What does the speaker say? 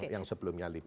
yang sebelumnya lipi